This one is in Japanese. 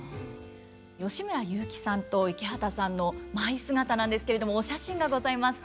吉村雄輝さんと池畑さんの舞姿なんですけれどもお写真がございます。